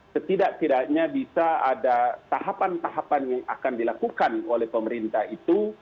setidak tidaknya bisa ada tahapan tahapan yang akan dilakukan oleh pemerintah itu